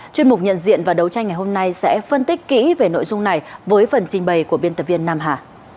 chuyên mục nhận diện và đấu tranh ngày hôm nay sẽ phân tích kỹ về nội dung này với phần trình bày của biên tập viên nam hà